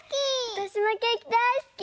わたしもケーキだいすき！